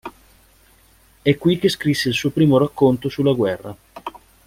È qui che scrisse il suo primo racconto sulla guerra.